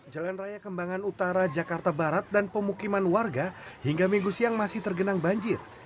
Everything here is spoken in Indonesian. jalan raya kembangan utara jakarta barat dan pemukiman warga hingga minggu siang masih tergenang banjir